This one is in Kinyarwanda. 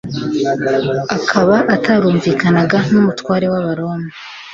akaba atarumvikanaga n'ubutware bw'abaroma,